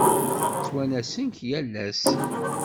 Ttwanasen-k yal ass.